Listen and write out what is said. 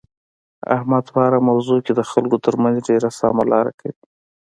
احمد په هره موضوع کې د خلکو ترمنځ ډېره سمه لاره کوي.